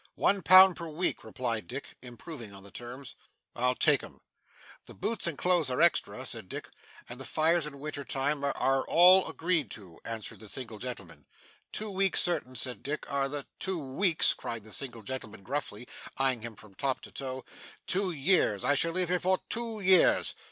'One pound per week,' replied Dick, improving on the terms. 'I'll take 'em.' 'The boots and clothes are extras,' said Dick; 'and the fires in winter time are ' 'Are all agreed to,' answered the single gentleman. 'Two weeks certain,' said Dick, 'are the ' 'Two weeks!' cried the single gentleman gruffly, eyeing him from top to toe. 'Two years. I shall live here for two years.